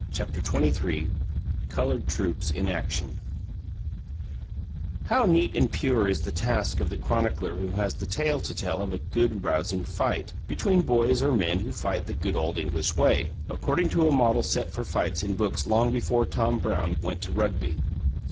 CHAPTER XXIII COLOURED TROOPS IN ACTION How neat and pure is the task of the chronicler who has the tale to tell of a "good rousing fight" between boys or men who fight in the "good old English way," according to a model set for fights in books long before Tom Brown went to Rugby.